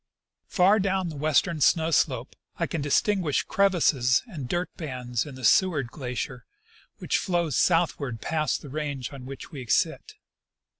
" Far down the western snow slope I can distinguish crevasses and dirt bands in the Seward glacier, which flows southward past the range on which we sit.